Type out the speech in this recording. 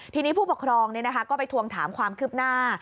ทีนี้ผู้ปกครองก็ไปทวงถามความคืบหน้า